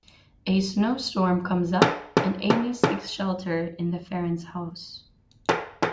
A snow storm comes up, and Amy seeks shelter in the Farrens' house.